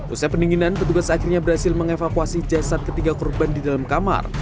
usai pendinginan petugas akhirnya berhasil mengevakuasi jasad ketiga korban di dalam kamar